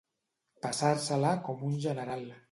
Passar-se-la com un general.